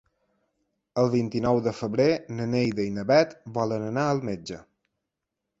El vint-i-nou de febrer na Neida i na Bet volen anar al metge.